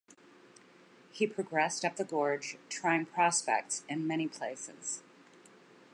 He progressed up the gorge trying prospects in many places.